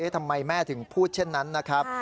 ทำไมแม่ถึงพูดเช่นนั้นนะครับ